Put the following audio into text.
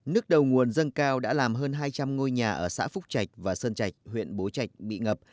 nước đầu nguồn dâng cao đã làm hơn hai trăm linh ngôi nhà ở xã phúc trạch và sơn trạch huyện bố trạch bị ngập